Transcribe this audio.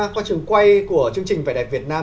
qua trường quay của chương trình vẻ đẹp việt nam